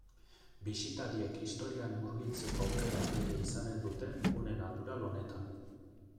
Bisitariek historian murgiltzeko aukera ere izanen dute gune natural honetan.